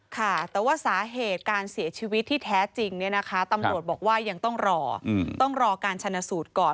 แต่ว่าสาเหตุการเสียชีวิตที่แท้จริงตำรวจบอกว่ายังต้องรอการชนสูตรก่อน